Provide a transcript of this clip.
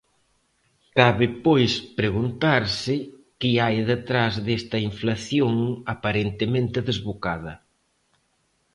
Cabe pois preguntarse que hai detrás desta inflación aparentemente desbocada.